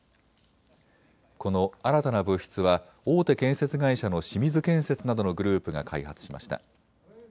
この新たな物質は大手建設会社の清水建設などのグループが開発しました。